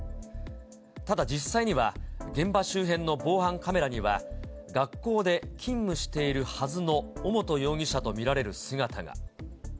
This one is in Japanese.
ただ、実際には現場周辺の防犯カメラには、学校で勤務しているはずの尾本容疑者と見られる姿が。